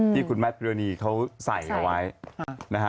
ที่คุณแมทเรนนี่เค้าใส่ไว้